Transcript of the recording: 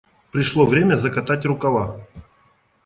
Пришло время закатать рукава.